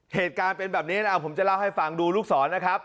เหตุการณ์เป็นแบบนี้นะผมจะเล่าให้ฟังดูลูกศรนะครับ